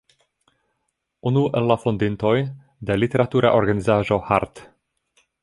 Unu el la fondintoj de literatura organizaĵo "Hart'.